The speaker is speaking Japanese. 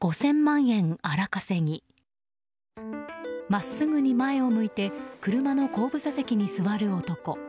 真っすぐに前を向いて車の後部座席に座る男。